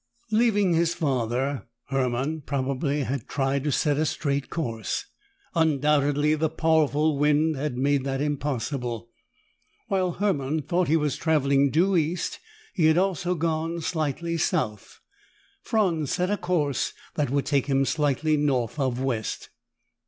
Leaving his father, Hermann probably had tried to set a straight course. Undoubtedly the powerful wind had made that impossible. While Hermann thought he was traveling due east, he had also gone slightly south. Franz set a course that would take him slightly north of west.